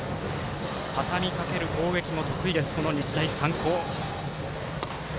たたみかける攻撃も得意日大三高。